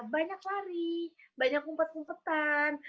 banyak lari banyak kumpet kumpetan